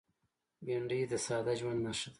بېنډۍ د ساده ژوند نښه ده